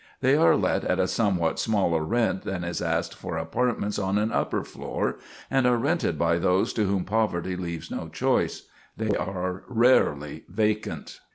They are let at a somewhat smaller rent than is asked for apartments on an upper floor, and are rented by those to whom poverty leaves no choice. They are rarely vacant."